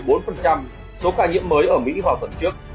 số ca nhiễm mới ở mỹ vào tuần trước